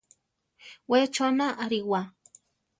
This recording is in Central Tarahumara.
We chona ariwa.